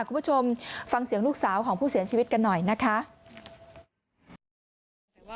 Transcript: คุณผู้ชมฟังเสียงลูกสาวของผู้เสียชีวิตกันหน่อยนะคะ